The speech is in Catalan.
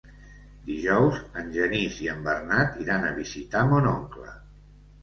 Dijous en Genís i en Bernat iran a visitar mon oncle.